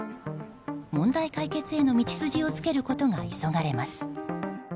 問題解決への道筋をつけることが急がれます。